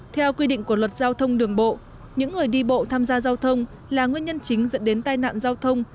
theo quy định của luật giao thông đường bộ những người đi bộ tham gia giao thông là nguyên nhân chính dẫn đến tai nạn giao thông